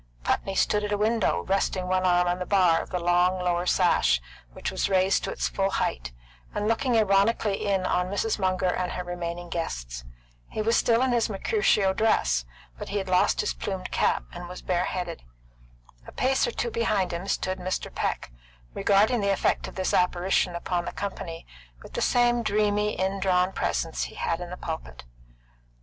Putney stood at a window, resting one arm on the bar of the long lower sash, which was raised to its full height, and looking ironically in upon Mrs. Munger and her remaining guests. He was still in his Mercutio dress, but he had lost his plumed cap, and was bareheaded. A pace or two behind him stood Mr. Peck, regarding the effect of this apparition upon the company with the same dreamy, indrawn presence he had in the pulpit.